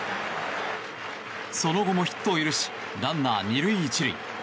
その後もヒットを許しランナー２塁１塁。